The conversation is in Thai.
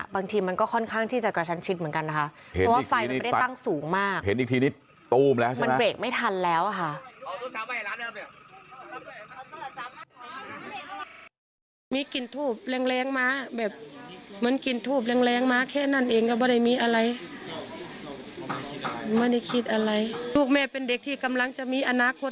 บางทีมันก็ค่อนข้างที่จะกระชันชิดเหมือนกันนะคะเพราะว่าไฟมันไม่ได้ตั้งสูงมาก